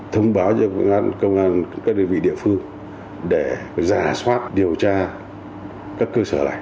thông báo cho công an các đơn vị địa phương để giả soát điều tra các cơ sở này